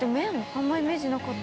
あんまりイメージなかった。